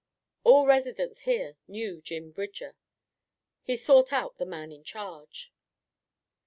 All residents here knew Jim Bridger. He sought out the man in charge.